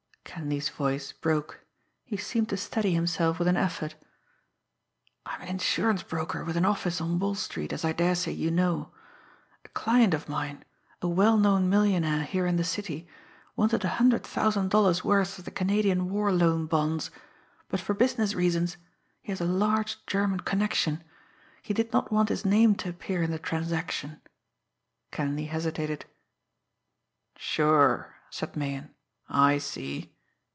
Kenleigh's voice broke. He seemed to steady himself with an effort. "I'm an insurance broker with an office on Wall Street, as I daresay you know. A client of mine, a well known millionaire here in the city, wanted a hundred thousand dollars' worth of the Canadian War Loan bonds, but for business reasons, he has a large German connection, he did not want his name to appear in the transaction." Kenleigh hesitated. "Sure!" said Meighan. "I see.